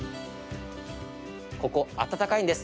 ここ暖かいんです。